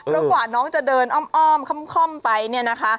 แล้วกว่าน้องจะเดินอ้อมค่อมไปเนี่ยนะคะ